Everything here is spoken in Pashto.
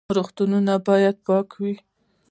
روغتونونه باید پاک وي